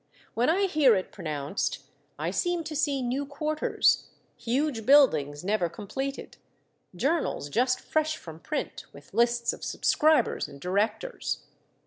When I hear it pronounced, I seem to see new quarters, huge buildings never completed, journals just fresh from print, with lists of subscribers and directors.